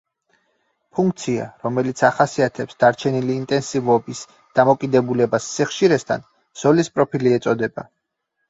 ფუნქცია, რომელიც ახასიათებს დარჩენილ ინტენსივობის დამოკიდებულებას სიხშირესთან, ზოლის პროფილი ეწოდება.